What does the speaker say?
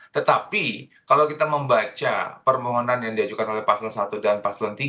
tetapi kalau kita membaca permohonan yang diajukan oleh paslon satu dan paslon tiga